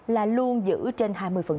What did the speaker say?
là luôn giữ trên hai mươi